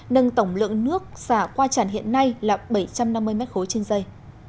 nâng tổng lượng nước xả qua tràn hiện nay là bảy trăm năm mươi mét khối trên dây